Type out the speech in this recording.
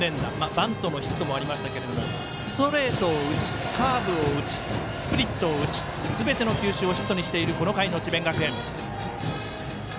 バントヒットもありましたがストレートを打ち、カーブを打ちスプリットを打ちすべての球種をヒットにしているこの回の智弁学園。